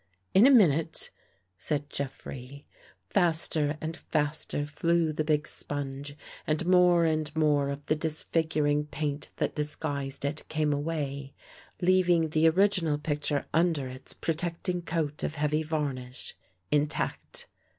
" In a minute," said Jeffrey. Faster and faster flew the big sponge and more and more of the disfiguring paint that disguised it came away, leaving the original picture under its protecting coat of heavy varnish, intact.